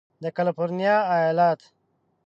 د کالفرنیا ایالت